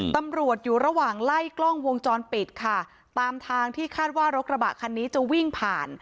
ตำรวจอยู่ระหว่างไล่กล้องวงจรปิดค่ะตามทางที่คาดว่ารถกระบะคันนี้จะวิ่งผ่าน